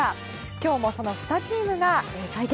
今日もその２チームが対決。